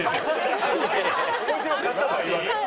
「面白かった」とは言わない。